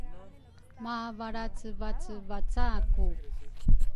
mavalracevacevacaku.